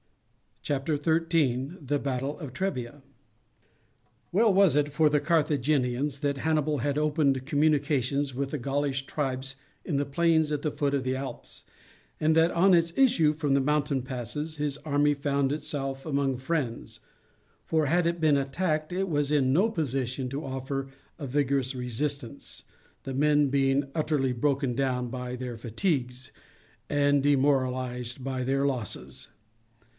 CHAPTER XIII: THE BATTLE OF THE TREBIA Well was it for the Carthaginians that Hannibal had opened communications with the Gaulish tribes in the plains at the foot of the Alps, and that on its issue from the mountain passes his army found itself among friends, for had it been attacked it was in no position to offer a vigorous resistance, the men being utterly broken down by their fatigues and demoralized by their losses.